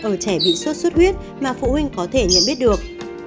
ở trẻ bị sốt xuất huyết mà phụ huynh có thể nhận biết được